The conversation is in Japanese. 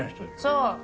そう！